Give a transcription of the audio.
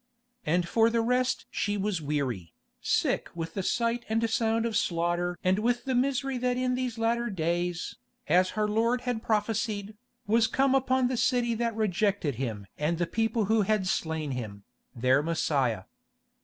And for the rest she was weary, sick with the sight and sound of slaughter and with the misery that in these latter days, as her Lord had prophesied, was come upon the city that rejected him and the people who had slain Him, their Messiah.